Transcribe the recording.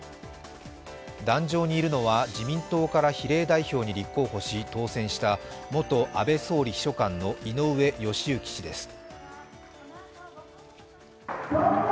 壇上にいるのは、自民党から比例代表に立候補し当選した元安倍総理秘書官の井上義行氏です。